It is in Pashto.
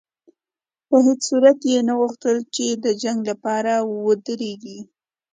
په هېڅ صورت یې نه غوښتل چې د جنګ لپاره ودرېږي.